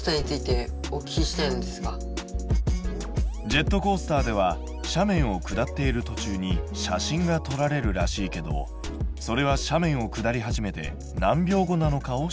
ジェットコースターでは斜面を下っているとちゅうに写真が撮られるらしいけどそれは斜面を下り始めて何秒後なのかを質問。